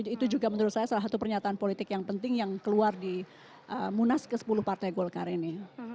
itu juga menurut saya salah satu pernyataan politik yang penting yang keluar di munas ke sepuluh partai golkar ini